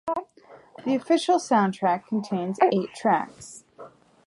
The official soundtrack contains eight tracks.